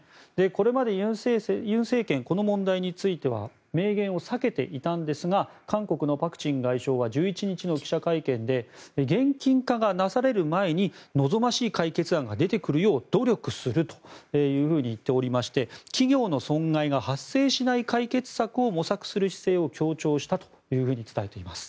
これまで尹政権この問題については明言を避けていたんですが韓国のパク・チン外相は１１日の記者会見で現金化がなされる前に望ましい解決案が出てくるよう努力すると言っていまして企業の損害が発生しない解決策を模索する姿勢を強調したと伝えています。